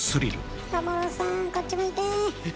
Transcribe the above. こっち向いて！